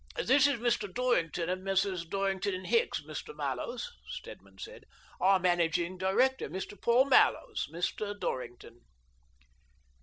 " This is Mr. Dorrington, of Messrs. Dorrington & Hicks, Mr. Mallows," Stedman said. " Our managing director, Mr. Paul Mallows, Mr. Dorrington."